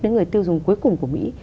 đến người tiêu dùng cuối cùng của mỹ